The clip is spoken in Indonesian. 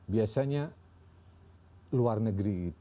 biasanya luar negeri itu